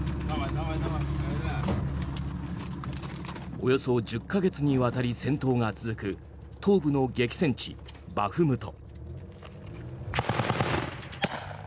およそ１０か月にわたり戦闘が続く東部の激戦地バフムト。